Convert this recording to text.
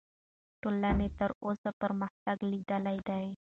ټولنې تر اوسه پرمختګ لیدلی دی.